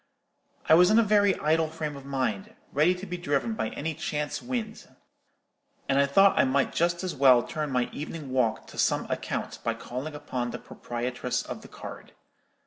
I was in a very idle frame of mind, ready to be driven by any chance wind; and I thought I might just as well turn my evening walk to some account by calling upon the proprietress of the card.